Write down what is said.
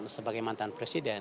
sebagai mantan presiden